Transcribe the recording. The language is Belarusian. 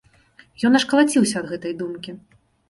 Ён аж калаціўся ад гэтай думкі.